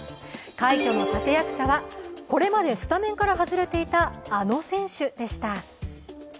快挙の立役者は、これまでスタメンから外れていたあの選手でした。